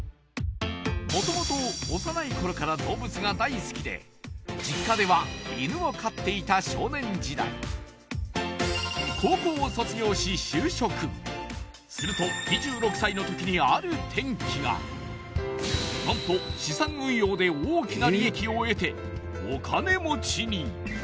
元々幼い頃から動物が大好きで実家では犬を飼っていた少年時代すると２６歳の時にある転機が何と資産運用で大きな利益を得てお金持ちに！